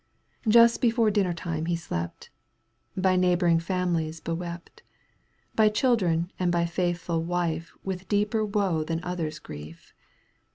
^* Just before dinner time he slept. By neighbouring families bewept. By children and by faithful wife With deeper woe than others' grief.